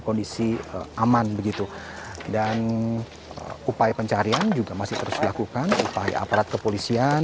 kondisi aman begitu dan upaya pencarian juga masih terus dilakukan upaya aparat kepolisian